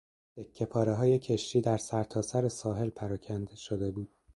تکهپارههای کشتی در سرتاسر ساحل پراکنده شده بود.